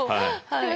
はい。